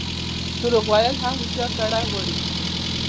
درواغ ویل هم هوښیار سړی غواړي.